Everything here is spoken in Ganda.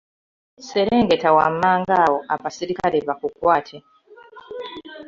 Serengeta wammanga awo abaserikale bakukwate.